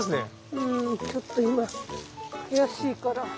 うんちょっと今悔しいから。